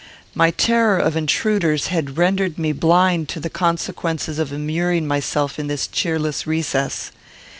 My terror of intruders had rendered me blind to the consequences of immuring myself in this cheerless recess.